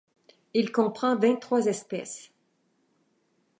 Il comprend vingt-trois espèces.